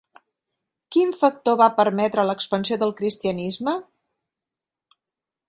Quin factor va permetre l'expansió del cristianisme?